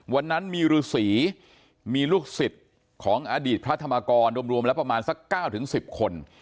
วันนั้นมีฤษีมีลูกศิษย์ของอดีตพระธรรมกรรวมแล้วประมาณสัก๙๑๐คน